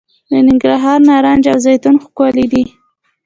د ننګرهار نارنج او زیتون ښکلي دي.